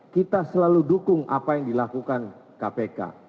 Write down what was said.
kita selalu dukung apa yang dilakukan kpk